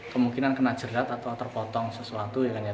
kemungkinan kena jerat atau terpotong sesuatu ya kan ya